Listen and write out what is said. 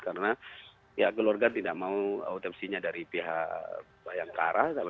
karena keluarga tidak mau otopsinya dari pihak yang karah